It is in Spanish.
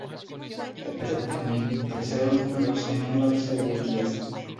Tras este lanzamiento, se realizaron otros dos en un lapso de diez días.